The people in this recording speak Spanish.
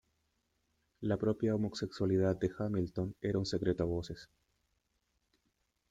La propia homosexualidad de Hamilton era un secreto a voces.